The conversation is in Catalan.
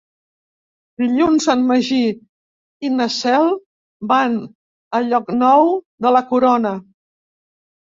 Dilluns en Magí i na Cel van a Llocnou de la Corona.